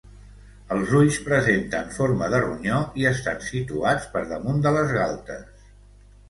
Els ulls presenten forma de ronyó i estan situats per damunt de les galtes.